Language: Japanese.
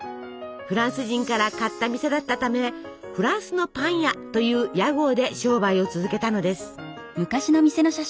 フランス人から買った店だったため「フランスのパン屋」という屋号で商売を続けたのです。